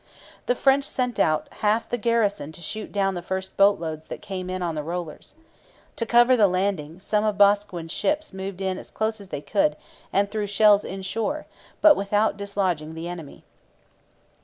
The French sent out half the garrison to shoot down the first boatloads that came in on the rollers. To cover the landing, some of Boscawen's ships moved in as close as they could and threw shells inshore: but without dislodging the enemy.